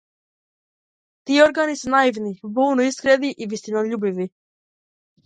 Тие органи се наивни, болно искрени и вистинољубиви.